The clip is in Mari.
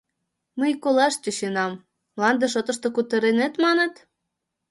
Мый колаш тӧченам, мланде шотышто кутырынет маныт?